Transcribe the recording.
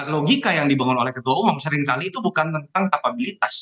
logika yang dibangun oleh ketua umum seringkali itu bukan tentang kapabilitas